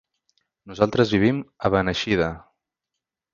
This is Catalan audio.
Nosaltres vivim a Beneixida.